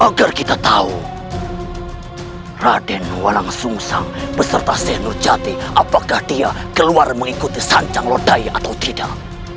agar kita tahu raden walang sung sang beserta senur jati apakah dia keluar mengikuti sanctum lord daya atau tidak